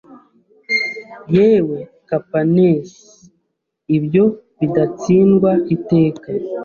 Yewe Kapaneus ibyo bidatsindwa iteka